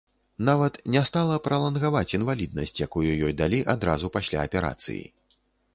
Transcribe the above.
Нават не стала пралангаваць інваліднасць, якую ёй далі адразу пасля аперацыі.